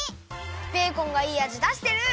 ベーコンがいいあじだしてる！